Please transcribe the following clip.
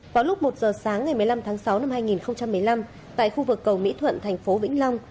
vào lúc một giờ sáng ngày một mươi năm tháng sáu năm hai nghìn một mươi năm tại khu vực cầu mỹ thuận thành phố vĩnh long